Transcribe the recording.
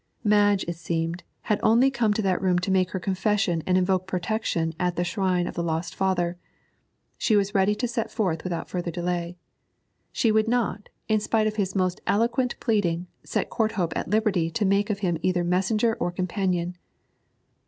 Madge, it seemed, had only come to that room to make her confession and invoke protection at the shrine of the lost father; she was ready to set forth without further delay. She would not, in spite of his most eloquent pleading, set Courthope at liberty to make of him either messenger or companion.